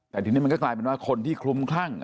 แต่ทีนี้มันก็กลายเป็นว่าคนที่คลุ้มคลั่ง